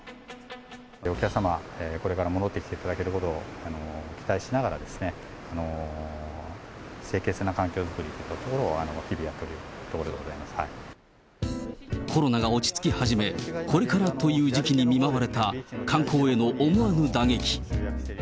お客様がこれから戻って来ていただけることを期待しながらですね、清潔な環境作りというところを、日々やっているところでございまコロナが落ち着き始め、これからという時期に見舞われた観光への思わぬ打撃。